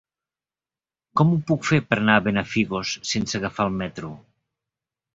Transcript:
Com ho puc fer per anar a Benafigos sense agafar el metro?